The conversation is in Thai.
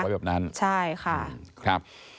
ไว้แบบนั้นครับใช่ค่ะ